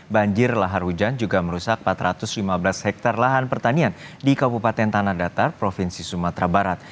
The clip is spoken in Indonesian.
banjir lahar hujan juga merusak empat ratus lima belas hektare lahan pertanian di kabupaten tanah datar provinsi sumatera barat